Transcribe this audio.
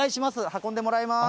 運んでもらいます。